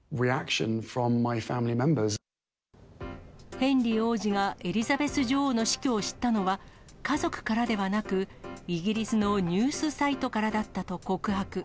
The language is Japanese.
ヘンリー王子がエリザベス女王の死去を知ったのは、家族からではなく、イギリスのニュースサイトからだったと告白。